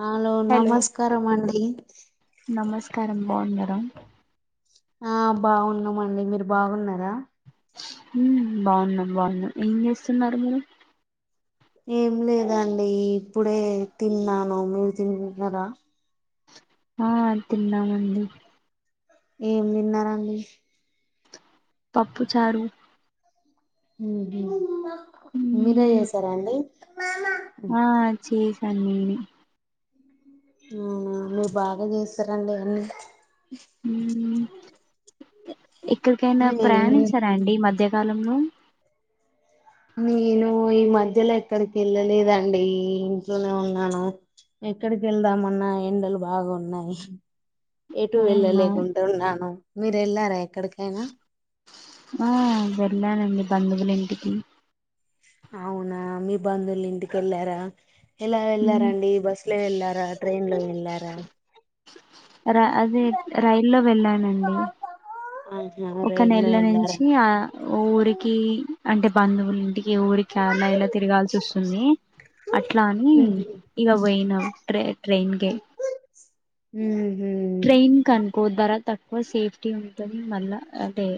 Hello నమస్కారం అండి నమస్కారం బాగున్నారా ఆ బాగున్నామండి మీరు బాగున్నారా ఉ బాగున్నాం బాగున్నాం ఏం చేస్తున్నారు మీ ఏం లేదండి ఇప్పుడే తిన్నాను మీరు తిన్నరా ఆ తిన్నామండి ఏం తిన్నరండి పప్పుచారు ఉహు మీరే హ్మ్ చేసారా అండి ఆ చేసాను నేనే ఊ మీ బాగా చేస్తారండి అన్నీ ఏక్కడికైనా నేను ప్రయాణించారా అండి ఈ మధ్యకాలంలో నేను ఈ మధ్యలో ఎక్కడికి వెళ్ళలేదండి ఇంట్లోనే ఉన్నాను ఎక్కడికి వెళ్దామన్నా ఎండలు బాగోన్నాయి ఎటు అవునా వెళ్ళలేకుంట ఉన్నాను మీరు వెళ్లారా ఎక్కడికైనా ఆ వెళ్ళానండి బంధువుల ఇంటికి అవునా మీ బంధువుల ఇంటికి వెళ్ళారా ఏలా హ్మ్ వెళ్లారండి బస్ బస్ లో వెళ్లారా ట్రెైన్ లో వెళ్లారా రా అదే రైల్లో వెళ్ళానండి ఆహా ఒక రైల్లో నెల వెళ్ళారా నుంచి ఆ ఊరికి అంటే బంధువులు ఇంటికి ఊరి కేరళ ఇలా తిరగాల్సి వస్తుంది అట్లా అని ఇగ పోయినం ట్రై ట్ట్రైన్ కే ఊహు ట్రైన్ కనుకో ధర తక్కువ సేఫ్టీ ఉంటది మళ్ళా అదే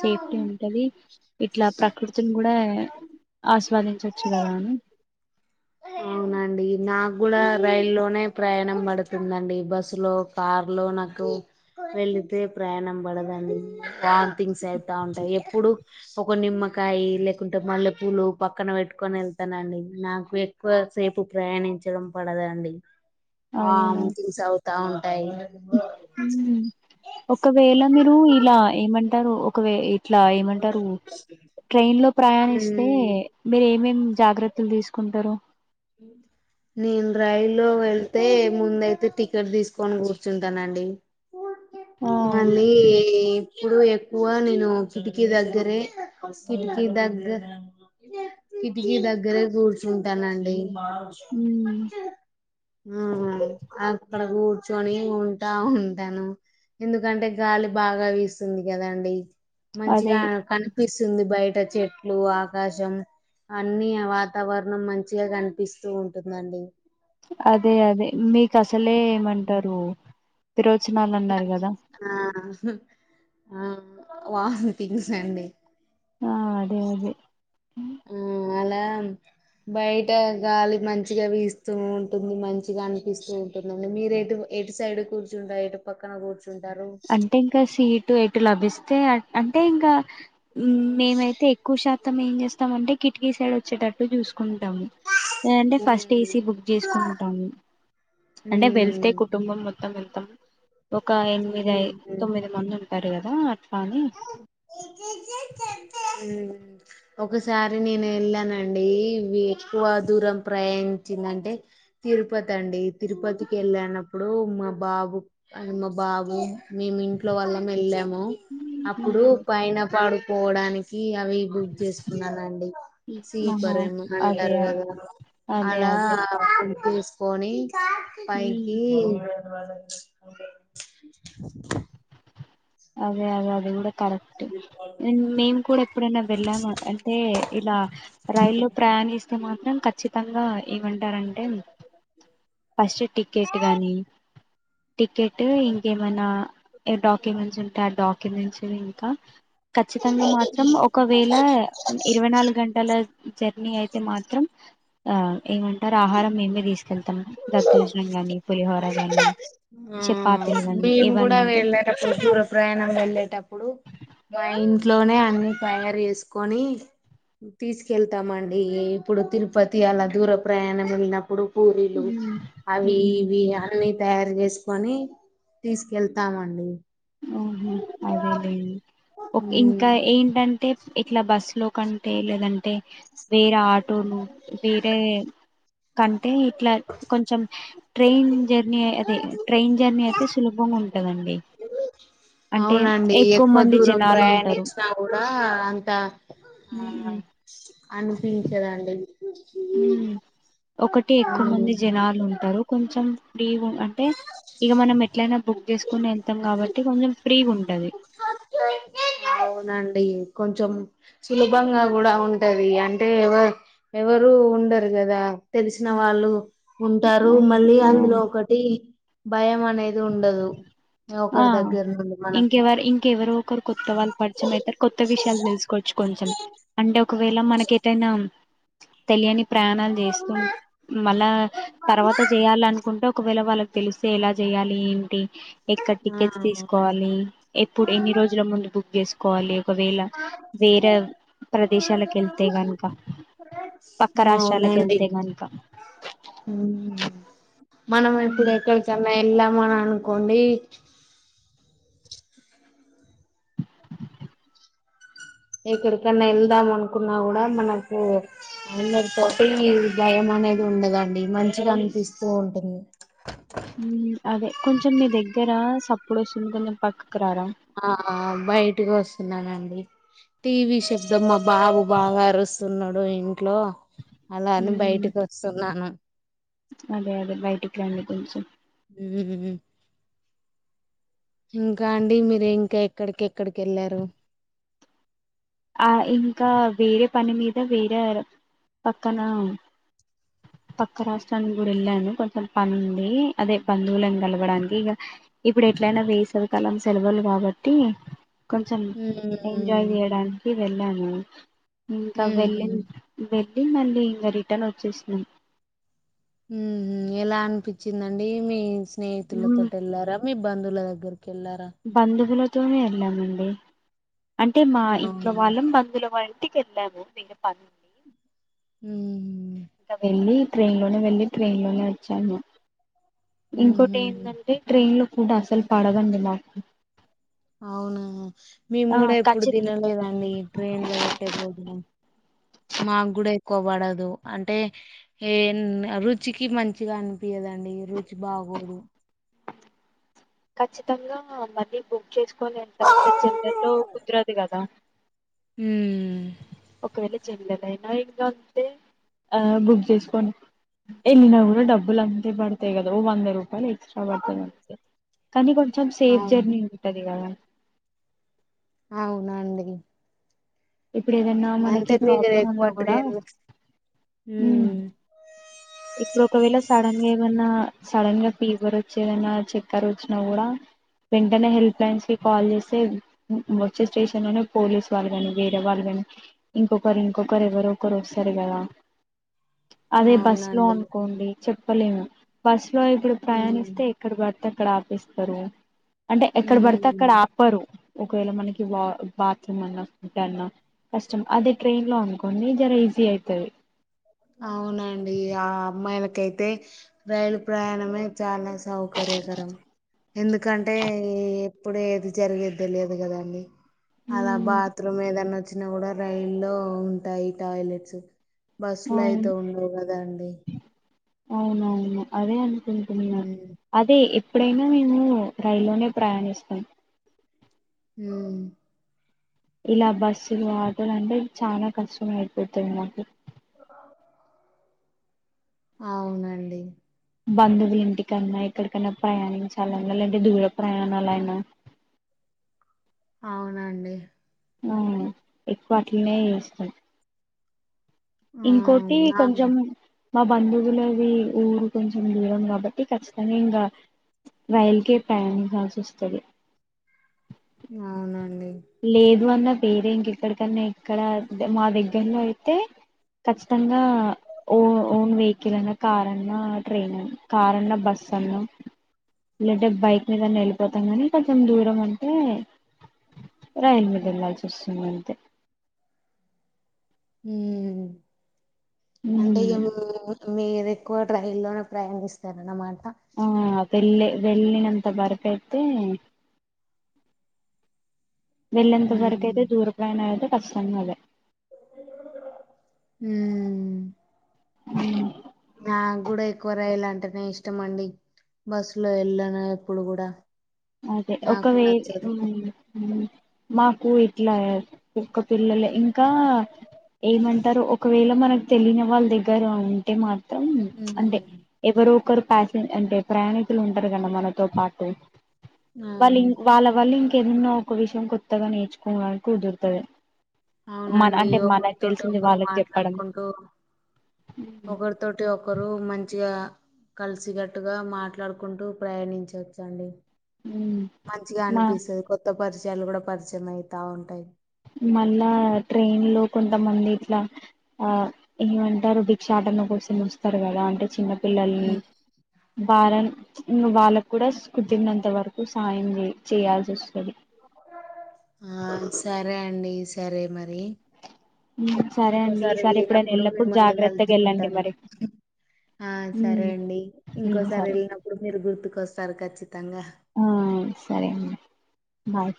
సేఫ్టీ ఉంటది ఇట్లా ప్రకృతిని కూడా ఆస్వాదించచ్చు కదా అని అవునండి నాకు కూడా రైల్ లోనే ప్రయాణం పడుతుందండి బస్సు లో కార్లో నాకు వెళితే ప్రయాణం పడదండి వామ్ థింగ్స్ అయితా ఉంటాయి ఎప్పుడు ఒక నిమ్మకాయ లేకుంటే మల్లెపూలు పక్కన పెట్టుకొని వెళ్తానండి నాకు ఎక్ ఎక్కువసేపు ప్రయాణించడం పడదండి అవును ఆమ్థింగ్స్ అవుతా ఉంటాయి ఉమ్. ఒకవేళ మీరు ఇలా ఏమంటారు ఒకవే ఇట్లా ఏమంటారు ట్రైన్ లో ప్రయాణిస్తే మ్మ్ మీరు ఏం ఏం జాగ్రత్తలు తీసుకుంటరు హు నేను రైలు లో వెళ్తే ముందయితే టికెట్ తీసుకొని కూర్చుంటానండి ఆ మళ్ళీ ఇప్పుడు ఎక్కువ నేను కిటికీ దగ్గరే కిటికీ దగ్గర కిటికీ దగ్గరే కూర్చుంటానండి ఉమ్ మ్మ్ అత్ ఇక్కడ కూర్చొని ఉంటా ఉంటాను ఎందుకంటే గాలి బాగా వీస్తుంది కదాండి అదే మంచిగా కని కనిప్పిస్తుంది బయట చెట్లు ఆకాశం అన్ని వాతావరణం మంచిగా కనిపి పిస్తూ ఉంటుందండి అదే అదే మీకు అసలే ఏమంటారు విరోచనాలు అన్నారు కదా ఆ ఆ వాథీంగ్స్ అండి ఆ అదే అదే మ్మ్ అలా బయట గాలి మంచిగా వీస్తూ ఉంటుంది మంచిగా అనిపిస్తూ అవునండి మీరు ఎటు ఎటు సైడ్ కూర్చుంటారు ఎటు పక్కన కూర్చుంటారు అంటే ఇంకా సీటు ఎటు లభిస్తే అంటే ఇంకా మేమైతే ఎక్కువశాతం ఏం చేస్తామ అంటే కిటికీ సైడ్ వచ్చేటట్టు చూసుకుంటాము లేదంటే ఫస్ట్ ఉమ్ ఏసీ బుక్ చేసు కుంటము అంటే వెళ్తే ఉమ్ కుటుంబం మొత్తం వెళ్తాం ఒక ఎనిమిదిఐ ఉహు. తొమ్మిది మంది ఉంటారు కదా అట్లా అని మ్మ్ ఒకసారి నేను వెళ్ళానండి ఎక్కువ దూరం ప్రయాణించిందంటే తిరుపతి అండి తిరుపతికి కెళ్ళనప్పుడు మా బాబు అ మా బాబు మేము ఇంట్లో వల్లం వెళ్ళాము అప్పుడు మ్, పైన పడుకోవడానికి అవి బుక్ చేసుకున్నానుండి ఆహా సీపర్ ఏమో అదే అంటారు కదా అదే అలా అదే తీసుకొని మ్, పైకి ధవా అదే అదే అది కూడ కరెక్ట్ మేం కూడా ఎప్పుడైనా వెళ్ళాము అంటే ఇలా రైల్లో ప్రయాణిస్తే మాత్రం ఖచ్చితంగా ఏమంటారంటే ఫస్ట్ టికెట్ గానీ టికెట్ ఇంకేమైనా ఏ డాక్యుమెంట్ డాక్యుమెంట్స్ ఇంకా కచ్చితంగా మాత్రం ఒకవేల ఇరవై నాలుగు గంటల జర్నీ అయితే మాత్రం ఆ ఏమంటారు ఆహారం మేమే తీసుకెళ్తాం దద్దోజనం గాని పులిహోర గాని ఆ చపాతీలు గాని మేము ఏవైనా కూడా ఉంటే వెళ్ళేటప్పుడు దూర ప్రయాణం వెళ్ళేటప్పుడు మా ఇంట్లోనే అన్ని తయారు చేసుకొని తీసుకెళ్తామండి ఇప్పుడు తిరుపతి అలా దూర ప్రయాణం వెళ్ళినప్పుడు పూరీలు ఉమ్ అవి ఉమ్ ఇవి అన్నీ తయారు చేసి కొని తీసుకెళ్తామండి ఓహో అదేలేండి ఓ ఇంకా ఉమ్, ఏంటంటే ఇట్లా బస్సు లో కంటే లేదంటే వేరే ఆటోలు వేరే కంటే ఇట్లా కొంచెం ట్రైన్ జర్నీ అదే ట్రైన్ జర్నీ అయితే సులభం ఉంటదండి. అంటే అవునండి ఎక్కువ మంది దూరం జనాలు ఉంటారు ప్రయాణిచ్ నా కూడా అంత ఆ ఉమ్ అనిపించదండి. మ్మ్ ఒకటి ఎక్కువ ఉమ్. మంది జనాలున్టారు. కొంచెం ఫ్రీ అంటే ఇక మనం ఎట్లయినా బుక్ చేసుకోని వెళ్తాం కాబట్టి కొంచెం ఫ్రీ ఉంటది. అవునండి కొంచెం సులభంగా కూడా ఉంటది అంటే ఎవ ఎవరు ఉండరు కదా తెలిసిన వాళ్ళు ఉంటారు అవును, మళ్ళీ అందులో ఆ ఒకటి భయమనే ఇది ఉండదు ఒకరి దగ్గర నుండి మనకు ఇంకేవరోకరు కో కొత్త వాళ్ళు పరిచయం అయితరు. కొత్త విషయాలు తెలుసుకోవచ్చు కొంచెం. అంటే ఒకవేళ మనకెటైనా తెలియని ప్రయాణాలు చేస్తు మళ్ళా తర్వాత చేయాలనుకుంటే ఒకవేళ వాళ్ళకి తెలిస్తే ఎలా చేయాలి ఏంటి ఎక్కడ ఆ టికెట్స్ తీసుకోవాలి ఎప్పుడు ఎన్ని రోజుల ముందు బుక్ చేసు కోవాలి ఒకవేళ వేరే ప్రదేశాలకెళ్తే గనుక పక్క రాష్ట్రాలకెళ్తే గనుక మ్మ్ మనం ఇప్పుడు ఉమ్ ఎక్కడికన్నా వెళ్ళామననుకోండి. ఎక్కడికన్నా వెళ్దాం అనుకున్నా కూడా మనకు అందరి తోటి భయం అనేది ఉండదండి. మంచిగా అనిపిస్తూ ఉంటుంది. మ్మ్ అదే కొంచెం మీ దగ్గర సప్పుడోస్తుంది. కొంచెం పక్కకు రారా ఆ బయటికోస్తున్నానండి టీవీ చెబ్దమ్ మా బాబు బాగా అరుస్తున్నడు ఇంట్లో. అలా అని ఉమ్ బయటికొస్తున్నాను అదే అదే బయటికి రండి కొంచెం ఉమ్ ఊ ఇంకా అండి మీరు ఇంకా ఎక్కడికేక్కడికెళ్లారు? ఆ ఇంకా వేరే పని మీద వేరే పక్కన పక్క రాష్ట్రానికి కూడా వెళ్ళాను. కొంచెం పనుండి అదే బంధువులను కలవడానికి ఇగా ఇప్పుడు ఎట్లయినా వేసవి కాలం సెలవులు కాబట్టి కొంచెం మ్మ్ ఎంజాయ్ చేయడాని కి వెళ్ళాను ఇంకా వెళ్ళి మ్మ్ వెళ్ళి మళ్ళీ ఇంకా రిటర్న్ వచ్చేసినాం. మ్మ్ మ్మ్ ఎలా అనిపించిందండి మీ స్నేహితుల ఉమ్, తోటెళ్లారా? మీ బంధువుల దగ్గరికెళ్ళారా బంధువులతోనే వెళ్ళామండి. అంటే మా అవునా ఇంట్లో వాళ్ళం బంధువుల వా ఇంటి కెళ్ళము [unintelligible] ఉమ్ ఇంకా వెళ్ళి ట్రైన్ లోనే వెళ్ళి ట్రైన్ లోనే వచ్చాము. ఇంకోటి మ్మ్ ఏంటంటే ట్రైన్ లో ఫుడ్ అసలు పడవండి మాకు అవునా మేము ఆ కూడా ఎప్పుడు ఖచ్చితంగా తినలేదండి ట్రైన్ లో పెట్టే భోజనం మాక కూడా ఎక్కువ పడదు అంటే ఏన్ ఆ రుచికి మంచిగా అనిపియదండి రుచి బాగోదు ఖచ్చితంగా మళ్ళీ బుక్ చేస్ కొని వెళ్తాం ఇట్లా జెనరల్లో కుదరది కదా ఉమ్ ఒకవేళ జనరల్ అయిన ఇంకా అంతే ఆ బుక్ చేసుకోని ఎళ్ళినా కూడా డబ్బులు అంతే బడతాయి కదా ఓ వంద రూపాయలు ఎక్స్ట్రా వడతది అంతే కానీ కొంచం సేఫ్ అవును జర్నీ ఉంటది కదా అవునండి ఇప్పుడు ఏదన్నా అంటే మనకి మీరు ప్రాబ్లం ఎక్కువ ఉన్నా కూడా ట్రైన్లు ఉ ఉమ్ ఇప్పుడు ఒకవేళ సడన్ గా ఏమన్నా సడన్ గా ఫీవర్ వచ్చేదన్నా చక్కర్ వచ్చినా కూడా వెంటనే హెల్ప్ లైన్స్ కి కాల్ చేస్తే వచ్చే స్టేషన్ లోనే పోలీస్ వాళ్ళు కాని వేరే వాళ్ళు కాని ఇంకొకరు ఇంకొకరు ఎవరో ఒకరు వస్తారు కదా అదే బస్ లో అవునండి అనుకోండి చెప్పలేము బస్ లో ఇప్పుడు ఉమ్ ప్రయాణిస్తే ఎక్కడ పడతే అక్కడ ఆపేస్తారు అంటే ఎక్కడ పడతే ఉమ్ అక్కడ ఆప్ పరు ఒకవేళ మనకి వా బాత్రూమ్ అన్నా ఫుడ్ అన్నా కష్టం అదే ట్రైన్ లో అనుకోని జర ఈజీ అయితది అవునండి ఆ అమ్మాయిలకైతే రైలు ప్రయాణమే చాలా స్ సౌకర్యకరం ఎందుకంటే ఈ ఇప్పుడు ఏది జరిగేది తెలియదు కద అండి అలా ఉమ్ బాత్రూమ్ ఏదన్నా ఒ వచ్చినా కూడా రైలు లో ఉంటాయి టాయిలెట్స్ బస్సులో అయితే ఉండవు కదా అండి అవును అవును అదే అనిపించింది నాక్ అదే ఎప్పుడైనా మేము రైల్లోనే ప్రయాణిస్తాం ఉమ్ ఇలా బస్సులు ఆటోలు అంటే చాలా కష్టం అయిపోతుంది మాకు కద ఉమ్ అవునండి బంధువులు ఇంటికన్నా ఎక్కడికన్నా ప్రయాణించాలన్నా లేంటే దూర ప్రయాణాలైనా అవునండి ఆ ఎక్కువ అట్లనే చేస్తాం ఆ ఇంకోటి నాకు కొంచం మా బంధువులవి ఊరు కొంచెం దూరం కాబట్టి ఖచ్చితంగా ఇంకా రైల్కే ప్రయాణిన్చాల్సొస్తది అవునండి లేదు అన్న పేరే ఇంకెక్కడికన్నా ఇక్కడ దె మా దగ్గర్లో అయితే ఖచ్చితంగా ఓ ఓన్ వెహికిల్ అన్నా కారన్నా ట్రైన్ అన్ కారన్నా బస్ అన్నా లేంటే బైక్ మీదన్న వెళ్ళిపోతాం గానీ కొంచెం దూరం ఉంటే రైల్ మీద వెళ్లాల్సి ఒస్తుంది అంతే ఉమ్ అంటే ఉమ్, ఏం మీరు ఎక్కువ ట్రెయిన్ లోనే ప్రయాణిస్తారనమాట ఆ పెళ్ళె వెళ్ళినంతా వరకు ఐతె వెళ్ళేంత వరకు అయితే ఉమ్ దూర ప్రయాణాలు అయితే కచ్చితంగా అదే ఉమ్ ఉ నాక్ గూడా ఎక్కువ రైల్ అంటనేే ఇష్టం అండి బస్ లో ఎళ్ళను ఎప్పుడు గూడా అదే ఒకవే ఉమ్ ఊ మాకు ఇట్లా కుక్క పిల్లలే ఇంకా ఏమంటారో ఒకవేళ మనక్ తెలియని వాళ్ళ్ దగ్గరా ఉంటే మా త్రం ప్చ్ అంటే హ్మ్ ఎవరో ఒకరు ప్యాసి అంటే ప్రయాణికులు ఉంటరు కదా మనతో పాటు. వాళ్ళు అవును వాళ్ళ వల్ల ఇంకెన్నో ఒక విషయం కొత్తగా నేర్చుకోవడానికి కుదురుతది. మన అవునండి అంటే మనక్ ఒకరితోటి తెలిసింది ఒకరు వాళ్ళకి చెప్పడం ఒకరి తోటి ఒకరు మంచిగా కలిసిగట్టుగా మాట్లాడుకుంటూ ప్రయాణించ వచ్చండి. మంచిగా మా అనిపిస్తది కొత్త పరిచయాలు కూడా పరిచయం అయితా ఉంటాయి. మళ్ళా ట్రైన్ లో కొంతమంది ఇట్లా ఆ ఏమంటారు బిక్ష ఆటనకోసం వస్తారు కదా అంటే చిన్నపిల్లల్ని. హ్మ్ వారన్ ప్చ్ ఇంగ వాళ్ళక్ కూడా కుదిరినంత వరకు సాయం చే చేయాల్సి వస్తది. ఆ సరే అండి సరే మరీ. సరే అండి ఇంకోసారి ఈసారి ఎప్పుడైనా ఎళ్ళినప్పుడు వెళ్ళినప్పుడు మిమ్మల్ని జాగ్రత్తగా వెళ్ళండి కల్సుకుంటాను మరి ఆ ఉమ్ సరే అండి ఉమ్ ఇంకోసారి సరే ఎళ్ళినప్పుడు మీరు గుర్తుకొస్తారు ఖచ్చితంగా. ఆ సరే అండి బాయ్